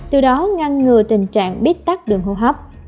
từ đó ngăn ngừa tình trạng bít tắt đường hô hấp